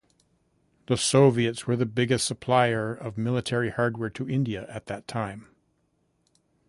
The Soviets were the biggest supplier of military hardware to India at that time.